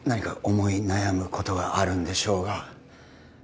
思い悩むことがあるんでしょうが